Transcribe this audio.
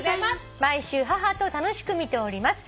「毎週母と楽しく見ております」